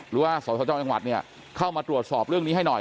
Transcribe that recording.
หรือว่าสสจจังหวัดเนี่ยเข้ามาตรวจสอบเรื่องนี้ให้หน่อย